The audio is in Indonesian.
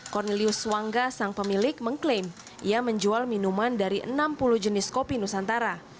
cornelius wangga sang pemilik mengklaim ia menjual minuman dari enam puluh jenis kopi nusantara